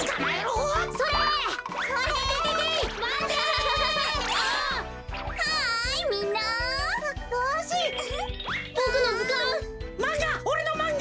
おれのまんが！